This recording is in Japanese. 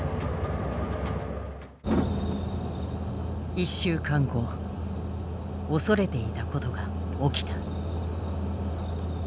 １週間後恐れていたことが起きた。